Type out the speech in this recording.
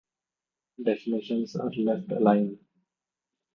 Definitions are left-aligned.